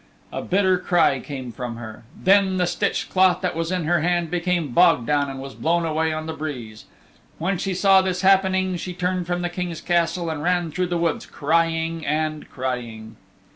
A bitter cry came from her. Then the stitched cloth that was in her hand became bog down and was blown away on the breeze. When she saw this happen she turned from the King's Castle and ran through the woods crying and crying.